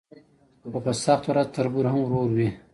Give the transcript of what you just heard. خو په سخته ورځ تربور هم ورور وي.